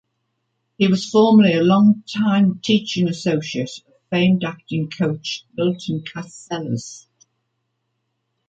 He was formerly a longtime teaching associate of famed acting coach Milton Katselas.